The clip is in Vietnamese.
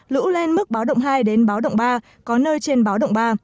lũ lên mức báo động hai đến báo động ba có nơi trên báo động ba